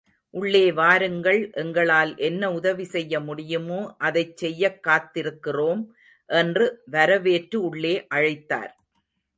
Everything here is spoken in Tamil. உள்ளே வாருங்கள் எங்களால் என்ன உதவி செய்ய முடியுமோ அதைச் செய்யக் காத்திருக்கிறோம் என்று வரவேற்று உள்ளே அழைத்தார்.